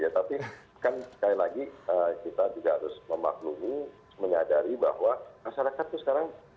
tapi kan sekali lagi kita juga harus memaklumi menyadari bahwa masyarakat itu sekarang